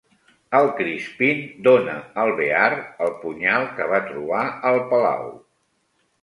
El Crispin dóna al Bear el punyal que va trobar al palau.